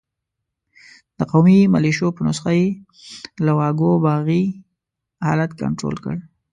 د قومي ملېشو په نسخه یې له واګو باغي حالت کنترول کړ.